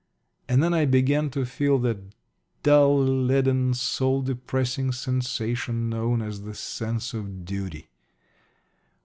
And then I began to feel that dull, leaden, soul depressing sensation known as the sense of duty.